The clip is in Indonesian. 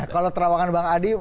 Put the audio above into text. kalau terawangan bang adi